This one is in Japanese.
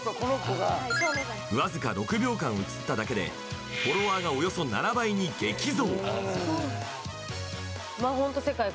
わずか６秒間映っただけでフォロワーがおよそ７倍に激増。